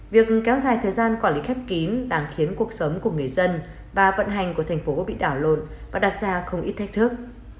việc kéo dài thời gian quản lý khép kín đang khiến cuộc sống của người dân và vận hành của thành phố bị đảo lộn và đặt ra không ít thách thức